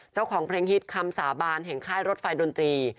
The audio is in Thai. เจ้าของเพลงฮิตคำสาบานแห่งค่ายรถไฟดนตรี